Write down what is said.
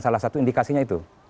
salah satu indikasinya itu